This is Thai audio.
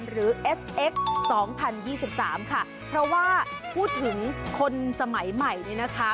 เอสเอ็กซ์สองพันยี่สิบสามค่ะเพราะว่าพูดถึงคนสมัยใหม่เนี่ยนะคะ